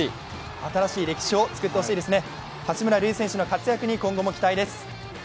新しい歴史を作ってほしいですね。